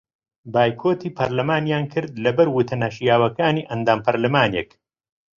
بایکۆتی پەرلەمانیان کرد لەبەر وتە نەشیاوەکانی ئەندام پەرلەمانێک